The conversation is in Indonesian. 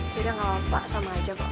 terima kasih pak